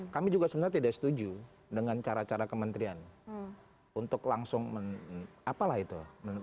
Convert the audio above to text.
kami juga sebenarnya tidak setuju dengan cara cara kementerian untuk langsung apalah itu